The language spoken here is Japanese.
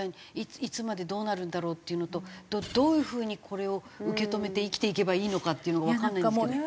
いつまでどうなるんだろうっていうのとどういうふうにこれを受け止めて生きていけばいいのかっていうのがわかんないんですけど。